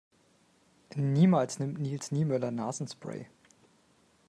Niemals nimmt Nils Niemöller Nasenspray.